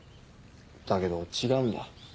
だけど違うんだ。